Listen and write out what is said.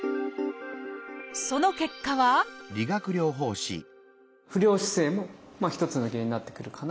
その結果は不良姿勢も一つの原因になってくるかなとは思います。